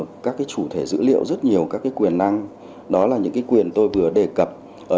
các cái chủ thể dữ liệu rất nhiều các cái quyền năng đó là những cái quyền tôi vừa đề cập